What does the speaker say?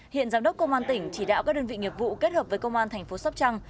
hiện giám đốc công an tỉnh chỉ đạo các đơn vị nghiệp vụ kết hợp với công an thành phố sóc trăng